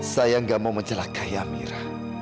saya gak mau mencelakai amira